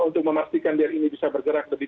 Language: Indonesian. untuk memastikan biar ini bisa bergerak lebih